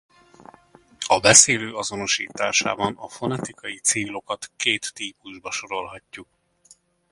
A beszélő azonosításában a fonetikai célokat két típusba sorolhatjuk.